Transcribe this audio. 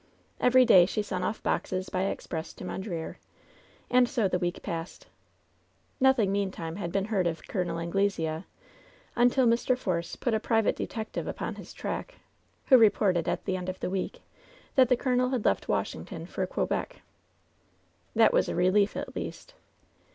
Every day she sent off boxes by express to Mondreer. And so the week passed. Nothing, meantime, had been heard of Col. Anglesea, until Mr. Force put a private detective upon his track, who reported, at the end of the week, that the colonel had left Washington for Quebec That was a relief, at least.